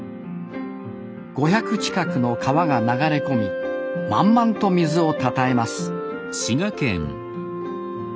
５００近くの川が流れ込み満々と水をたたえます